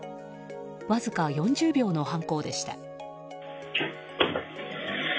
わずか４０秒の犯行でした。